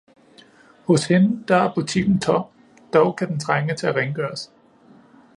hos hende der er butikken tom, dog kan den trænge til at rengøres.